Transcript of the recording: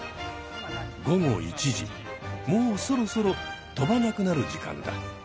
午後１時もうそろそろとばなくなる時間だ。